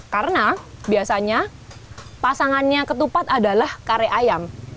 karena biasanya pasangannya ketupat adalah kare ayam